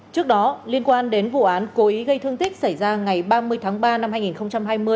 trước đó liên quan đến vụ án cố ý gây thương tích xảy ra ngày ba mươi tháng ba năm hai nghìn hai mươi